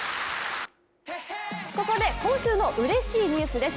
ここで今週のうれしいニュースです。